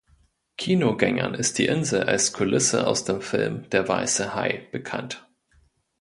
Kinogängern ist die Insel als Kulisse aus dem Film "Der weiße Hai" bekannt.